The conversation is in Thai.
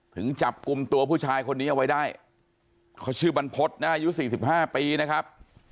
ถึงจับกลุ่มตัวผู้ชายคนนี้เอาไว้ได้เขาชื่อบรรพฤษนะอายุ๔๕ปีนะครับ